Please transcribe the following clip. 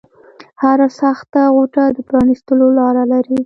هره سخته غوټه د پرانیستلو لاره لري